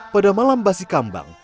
pada malam basi kambang